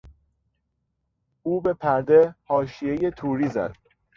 او به پرده، حاشیهی توری زد.